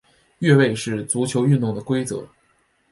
越位是足球运动的规则。